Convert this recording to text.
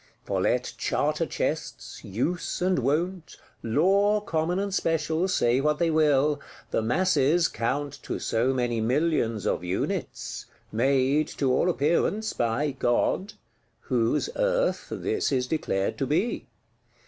For let Charter Chests, Use and Wont, Law common and special say what they will, the masses count to so many millions of units; made, to all appearance, by God,—whose Earth this is declared to be.